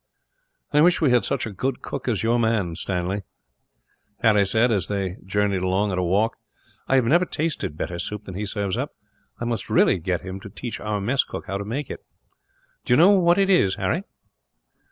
"I wish we had such a good cook as your man is, Stanley," Harry said, as they journeyed along at a walk. "I never tasted better soup than he serves up. I must really get him to teach our mess cook how to make it." "Do you know what it is, Harry?"